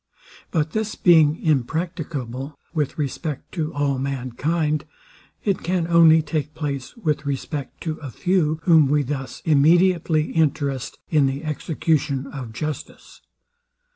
But this being impracticable with respect to all mankind, it can only take place with respect to a few, whom we thus immediately interest in the execution of justice.